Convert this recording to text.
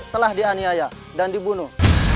telah dianiaya dan dibunuh